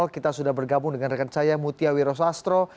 kita sudah bergabung dengan rekan saya mutia wirozastro